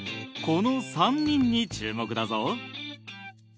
この３人に注目だぞ。